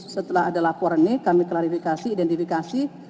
setelah ada laporan ini kami klarifikasi identifikasi